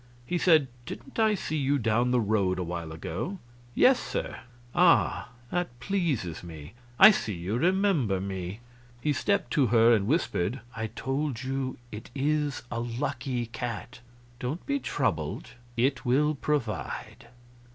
He said, "Didn't I see you down the road awhile ago?" "Yes, sir." "Ah, that pleases me; I see you remember me." He stepped to her and whispered: "I told you it is a Lucky Cat. Don't be troubled; it will provide."